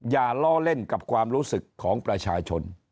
อย่าล้อเล่นกับความรู้สึกของประชาชน